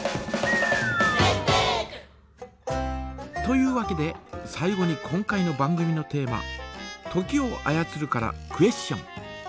というわけで最後に今回の番組のテーマ「時を操る」からクエスチョン。